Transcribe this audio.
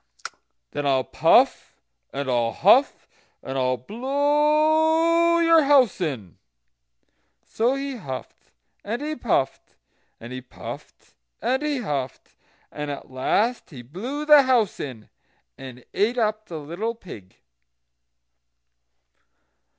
"Then I'll puff, and I'll huff, and I'll blow your house in." So he huffed, and he puffed, and he puffed and he huffed, and at last he blew the house in, and ate up the little pig.